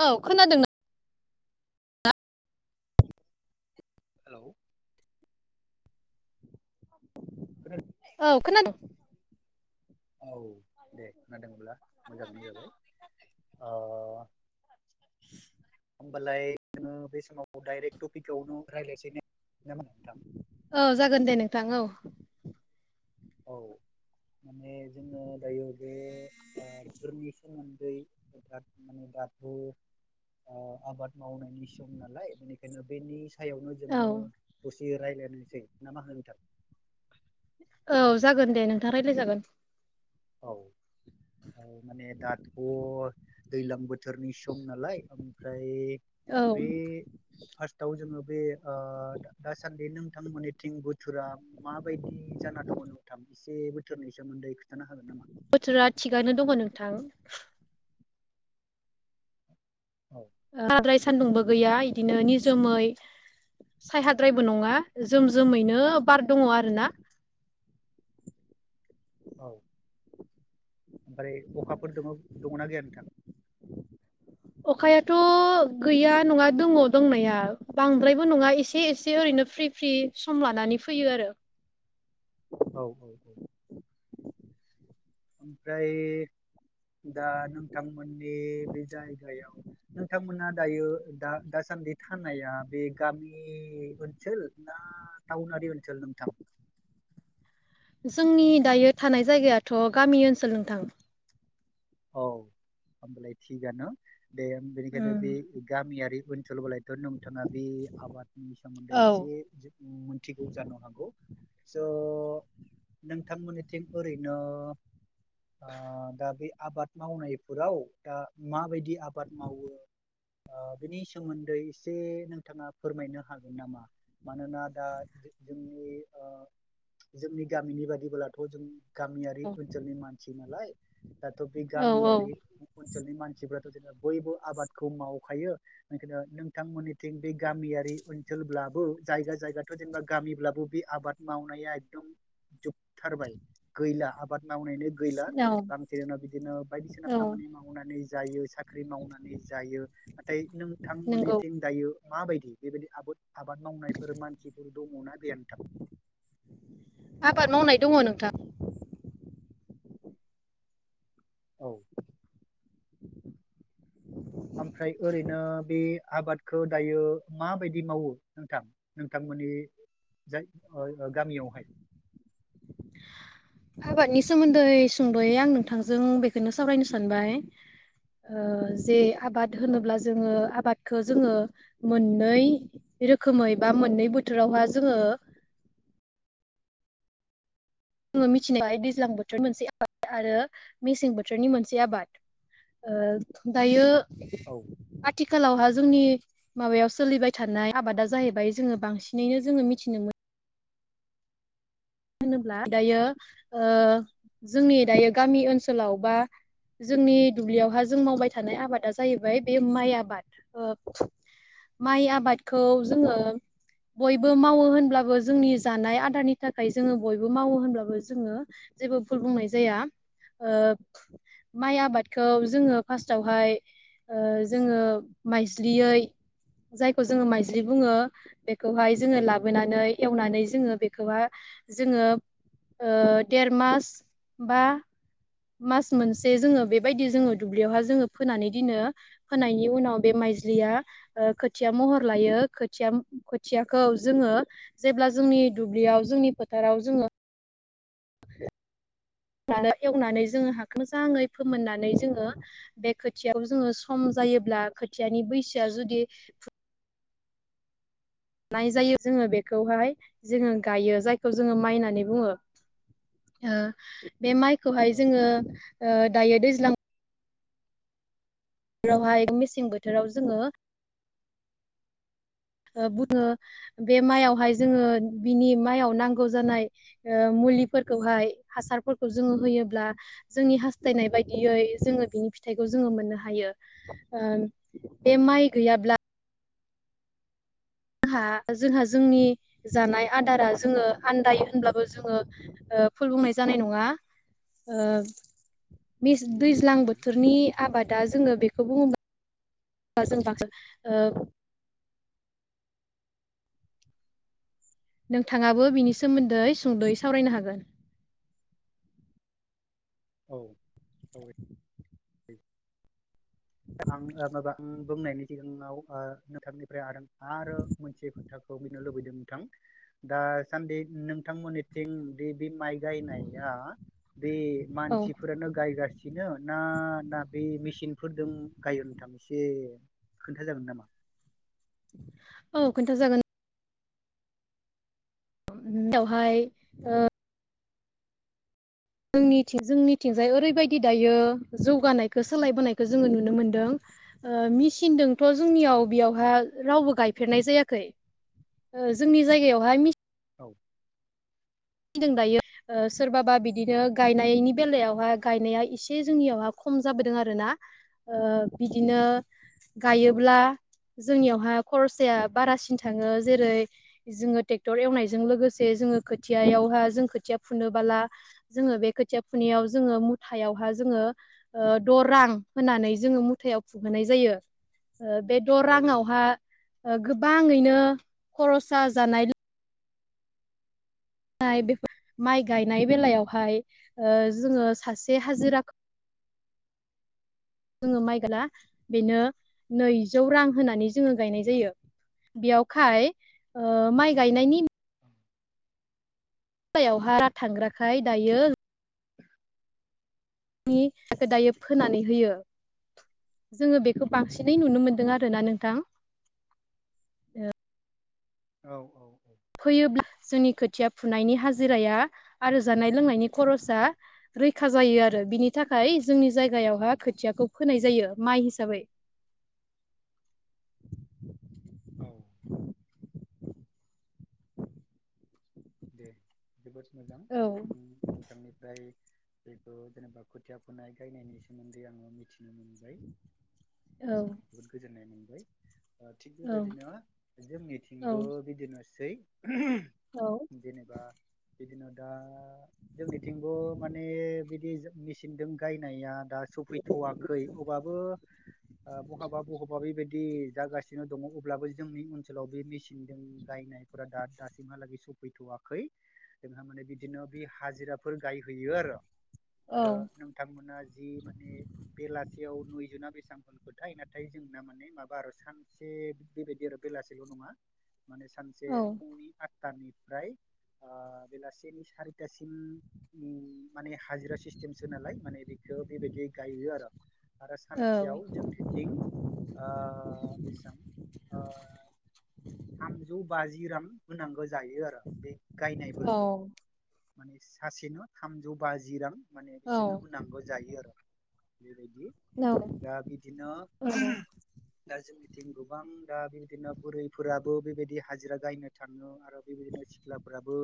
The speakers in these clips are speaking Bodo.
औ खोनादों ना? हेलौ खोनादों औ खोनादों औ दे खोनादोंब्ला मोजाङानो जाबाय ओ [inaudible] होमबालाय ङो बे समाव डायरेक टपिकआवनो रायज्लायसैने औ जागोन दे नोंथां औ औ माने जोङो दायो बे बेफोरनि सोमोन्दै माने जोंहाथ आबाद मावनायनि सम नालाय बेनिखायनो बेनि सो सायावनो औ जोङो दसे रायजलायनोसै ना मा होनो नोंथां औ जागोन दे नोंथाङा रायज्लाय जागोन औ औ माने दाथ' दैज्लां बोथोर बोथोरनि सम नालाय ओमफ्राय औ बे फार्स्टआव जोङो बे दासान्दि नोंथांमोननिथिं बोथोरा माबायदि जाना दङ नोंथां। एसे बोथोरनि सोमोन्दै खिथानो हागोन नामा? बोथोरा थिगानो दङ नोंथां औ बाराद्राय सान्दुंबो गैया इदिनो निजोमै सायहाद्रायबो नङा जोम जोमैनो बार दङ आरोना। औ। ओमफ्राय अखाफोर दङ दङना गैया नोंथां अखायाथ गैया नङा दङ दंनाया बांद्रायबो नङा एसे एसे ओरैनो फ्रि फ्रि सम लानानै फैयो आरो औ औ औ ओमफ्राय दा नोंथांमोननि बे जायगायाव नोंथांमोना दायो दा दासान्दि थानाया बे गामि ओनसोल ना थावनारि ओन्सोल नोंथां? जोंनि दायो थानाय जायगायाथ गामि ओनसोल नोंथां। औ होमबालाय थिगानो दे बेनिखायनो उम बे गामियारि ओनसोलबालाय थ' नोंथाङा बे आबादनि सोमोन्दै औ एसे मोनथिगौ जानो हागौ। स' नोंथांमोननिथिं ओरैनो ओ दा बे आबाद मावनायफोराव दा माबायदि आबाद मावो ओ बिनि सोमोन्दै एसे नोंथाङा फोरमायनो हागोन नामा? मानोना दा जोंनि ओ जोंनि गामिनि बादिबोलाथ' जों गामियारि औ ओनसोलनि मानसि नालाय दाथ' बे औ गामियारि ओनसोलनि मानसिफ्राथ' जेन बयबो आबादखौ मावखायो बेखायनो नोंथांमोननिथिं बे गामियारि ओनसोलब्लाबो जायगा जायगाथ' जेनेबा गामिब्लाबो बे आबाद मावनाया एकदम जोबथारबाय गैला आबाद मावनायनायनि गैला औ बिदिनो बायदिसिना औ खामानि मावनानै जायो साख्रि मावनानै जायो नाथाय नोंथां थां नंगौ मोननिथिं दायो माबायदि बेबायदि आबोद आबाद मावनायफोर मानसिफोर दंङ ना गैया नोंथां? आबाद मावनाय दङ नोंथां। औ। ओमफ्राय ओरैनो बे आबादखौ दायो माबायदि मावो नोंथां नोंथां? माने जाय ओ गामियावहाय आबादनि सोमोन्दै सुंद'यै आं नोंथांजों बेखौनो सावरायनो सानबाय। ओ जे आबाद औ होनोब्ला जोङो आबाद खौ जोङो मोननै रोखोमै बा मोननै बोथोरावहा जोङो [inaudible] जोङो मिथिनो दैज्लां बोथोरनि मोनसे आबाद आरो मेसें बोथोरनि मोनसे आबाद। ओ दायो औ आथिखालावहा जोंनि माबायाव सोलिबाय थानाय आबादा जाहैबाय जोङो बांसिनैनो जोङो मिथिनो मोन होनोब्ला दायो ओ जोंनि दायो गामि ओनसोलाव बा जोंनि दुब्लियावहा जों मावबाय थानाय आबादा जाहैबाय बे माइ आबाद, ओ माइ आबादखौ जोङो बयबो मावो होनब्लाबो जोंनि जानाय आदारनि थाखाय जोङो बयबो मावो होनब्लाबो जोङो जेबो भुल बुंनाय जाया। ओ माइ आबादखौ जोङो फार्स्टावहाय ओ जोङो माइज्लियै जायखौ जोङो माइज्लि बुङो बेखौहाय जोङो औ नंगौ लाबोनानै एवनानै जोङो बेखौहा जोङो ओ देर मास बा मास मोनसे जोङो बेबायदि जोङो दुब्लियावहा जोङो फोनानै दिनो फोनायनि उनाव बे माइ माइज्लिआ ओ खोथिया महर लायौ खोथिया खाथियाखौ जोङो जेब्ला जों नि दुब्लियाव जोंनि फोथाराव जोङो [inaudible] एवनानै जोङो हाखौ मोजाङै फोमोननानै जोङो बे खोथियाव जोङो सम जा जायोब्ला खोथियानि बैसोआ जुदि नाय जायो जोङो बेखौहाय जोङो गायो जायखौ जोङो माइ होननानै बुङो। ओ बे माइखौहाय औ उम जोङो ओ दायो दैज्लां बोथोरावहाय मेसें बोथोराव जोङो ओ बुङो बे माइयावहाय जोङो बिनि माइयाव नांगौ जानाय ओ मुलिफोरखौहाय हासारफोरखौ जोङो होयोब्ला जोंनि हास्थायनाय बायदियै जोङो बिनि फथा थाइखौ जोङो मोननो हायो। ओ बे माइ गैयाब्ला जोंहा जोंहा जोंनि जानाय आदारा जोङो आन्दायो होनब्लाबो जोङो ओ ओ फुल बुंनाय जानाय नङा ओ दैज्लां नंगौ बोथोरनि आबादा जोङो बे बे खौ बुङोमोन जों ब ओ नोंथाङाबो बिनि सोमोन्दै सुंदै सावरायनो हागोन। औ औ [unintelligible] आं ओ मबां बुंनायनि सिगाङाव नोंथांनिफ्राय आरो आरो मोनसे लुबैदों नोंथांक्षदासान्दि नोंथांमोननिथिं दि बे माइ गायनाया बे औ मानसिफोरानो गायगासिनो ना ना बे मेसिनफोर दों गायो नोंथां एसे खोन्था जागोन नामा। औ खोन्था जागोन। दावहाय ओ जोंनि जोंनिथिंजाय ओरैबायदि दायो जौगानायखौ सोलायबोनायखौ जोङो नुनो मोनदों। ओ मेसिनदोंथ' जोंनियाव बेयावहा रावबो गायफेरनाय जायाखै ओ जोंनि जायगायावहाय औ दायो ओ सोरबाबा बिदिनो गायनायनि बेलायावहाय गायनाया एसे जोंनियावहा खम जाबोदों आरो ना ओ बिदिनो औ गायोब्ला जोंनियावहा खरसाया बारासिन थाङो जेरै जोङो ट्रेक्टर एवनायजों लोगोसे जोङो खो थियायावहा जों खोथिया फुनोबोला जोङो बे खोथिया फुनायाव जोङो मुथायावहा जोङो द' रां होनानै जोङो मुथायाव फुहोनाय जायो। बे द' औ राङावहा गोबाङैनो खरसा जानाय माइ गायनाय बेलायावहाय ओ जोङो सासे हाजिरा [unintelligible] जोङो माइ बेनो नैजौ रां होनानै जोङो गायनाय जायो बेयावखाय ओ माइ गायनायनि थांग्राखाय दायो नि दायो फोनानै होयो। जोङो बेखो बांसिनै नुनो मोनदों आरोना नोंथां। औ औ औ। फैयोब्ला जोंनि खोथिया फुनायनि हाजिराया आरो जानाय लोंनायनि खरसा रैखा जायो आरो बिनि थाखाय जोंनि जायगायावहा खोथियाखौ फोनाय जायो माइ हिसाबै। औ दे जोबोद मोजां औ नोंथांनिफ्राय बेखौ जेनेबा खुथिया फुनाय गायनायनि सोमोन्दै आङो मिथिनो मोनबाय। औ गोजोननाय मोनबाय। थिग औ बेबायदिनो जोंनिथिंबो औ बिदिनोसै जेनेबा बिदिनो दा जोंनिथिंबो माने बिदि मेचिनदों गायनाया दा सफैथ'वाखै अबाबबो बहाबा बहाबा बेबायदि जागासिनो दङ अब्लाबो जोंनि ओनसोलाव बे मेसिनजों गायनायफोरा दा दासिमहालागै सौफै थ'वाखै जोंहा माने बिदिनो बे हाजिराफोर गायहैयो आरो। आरो औ नोंथांमोना जि माने बेलासियाव बेसेबांफोर खोथाय नाथाय जोंना माने माबा आरो सानसे बेबायदि आरो बेलासेल' नङा माने सानसे औ फुंनि आटटानि ओमफ्राय ओ बेलासिनि सारिथासिम उम माने हाजिरा सिस्टेमसो नालाय माने बेखो बेबायदि गायो आरो। आरो सानसेयाव जोंनिथिं ओ बेसां ओ थामजौ बाजि रां होनांगौ जायो आरो बे गायनायफोरखो। माने सासेनो थामजौ बाजि रां माने औ बिसोरनो होनांगौ जायो आरो। बेबायदि। दा बिदिनो औ दा जोंनिथिं गोबां दा बेबायदिनो बुरैफोराबो बेबायदि हाजिरा गायनो थाङो आरो बेबायदिनो सिख्लाफोराबो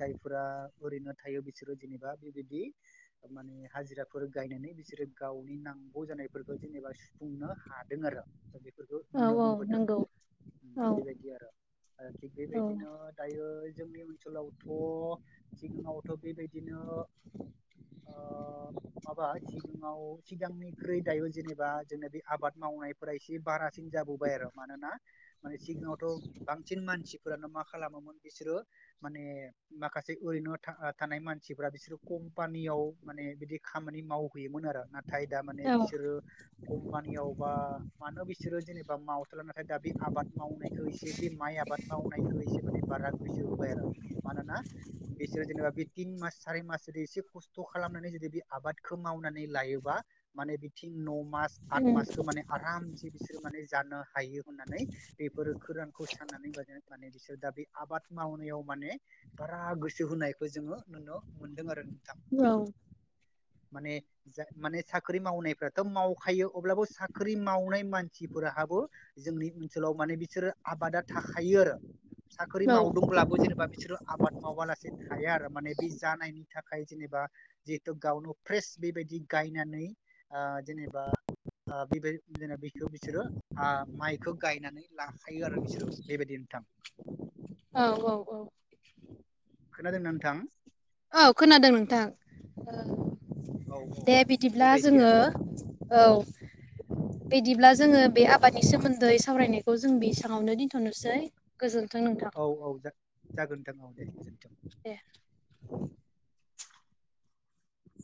जायफोरा ओरैनो थायो बिसोरो जेनेबा बेबायदि माने हाजिराफोर गायनानै बिसोरो गावनि नांगौ जानायफोरखौ जेनेबा सुफुंनो हादों आरो। बेफोरखौ औ नुनो औ मोनबोदों नंगौ औ। ओ थिग बे औ बायदिनो दायो जोंनि ओनसोलावथ' सिगाङावथ' बेबायदिनो ओ माबा सिगाङाव सिगांनिख्रुइ दायो जेनेबा जोंना बे आबाद मावनायफोरा एसे बारासिन जाबोबाय आरो मानोना माने सिगाङावथ' बांसिन मानसि फोरानो मा खालामोमोन बिसोरो माने माखासे ओरैनो था-थानाय मानसिफ्रा बिसोरो कम्पानियाव माने बिदि खामानि मावहैयोमोन आरो ना थाय दा माने औ बिसोरो कम्पानियावबा मानो बिसोरो जेनेबा मावथला नाथाय दा बे आबाद मावनायखौ एसे बे माइ आबाद मावनायखौ एसे माने बारा [unintelligible] मानोना बिसोरो जेनेबा बे तिन मास सारि मास जुदि एसे खस्थ' खालामनानै जुदि बे आबादखौ मावनानै लायोबा माने बिथिं न- मास आथ मासखो माने आरामसे बिसोर माने जानो हायो होननानै बेफोरो खोरानखौ [unintelligible] माने बिसोर दा बे आबाद मावनायाव माने बारा गोसो होनायखौ जोङो नुनो मोनदों आरो नोंथां औ माने जा माने साख्रि मावनायफ्राथ' मावखायो अब्लाबो साख्रि मावनाय मानसिफोर हाबो जोंनि ओनसोलाव माने बिसोरो आबादा थाखायो आरो साख्रि माव- ब्लाबो जेनेबा बिसोरो आबाद मावालासे थाया आरो माने बे जानायनि थाखाय जेनेबा जिहेतु गा- [unintelligible] फ्रेस बेबायदि गायनानै जेनेबा बेबाय जेनेबा बिखौ बिसोरो माइखौ गायनानै लाखायो आरो बिसोरो बेबायदि नोंथां औ औ औ खोना दोंना नोंथां? औ खोनादों नोंथां। औ औ दे बिदिब्ला बेबायदि जोङो आरो औ बिदिब्ला जोङो बे आबादनि सोमोन्दै सावरायनायखौ जों बेसाङावनो दोनथ'नोसै गोजोन- थों नोंथां औ औ जा जागोन नोंथां औ दे गोजोन्थों दे